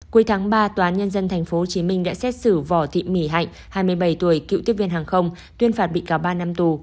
cuối tháng ba toán nhân dân tp hcm đã xét xử vỏ thị mỉ hạnh hai mươi bảy tuổi cựu tiếp viên hàng không tuyên phạt bị cáo ba năm tù